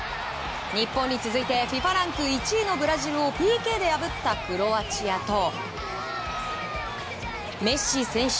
日本に続いてＦＩＦＡランク１位のブラジルをＰＫで破ったクロアチアとメッシ選手